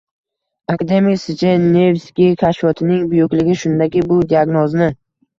Akademik Snejnevskiy kashfiyotining buyukligi shundaki, bu diagnozni...